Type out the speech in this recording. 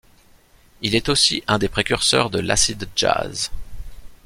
Il est aussi un des précurseurs de l'acid jazz.